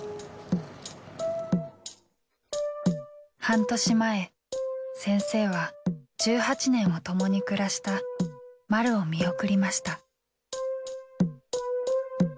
半年前先生は１８年を共に暮らしたまるを見送りました。